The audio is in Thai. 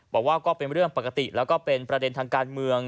บอกว่าก็เป็นเรื่องปกติแล้วก็เป็นประเด็นทางการเมือง